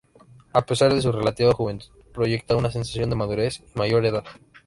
A pesar de su relativa juventud, proyecta una sensación de madurez y mayor edad.